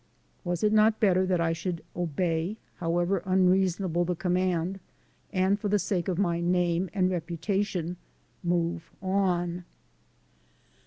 Was it not better that I should obey, however unreason able the command, and for the sake of my name and reputation "move on?"